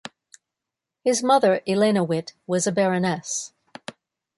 His mother, Elena Witte, was a baroness.